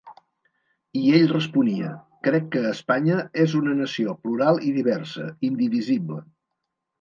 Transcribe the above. I ell responia: Crec que Espanya és una nació, plural i diversa, indivisible.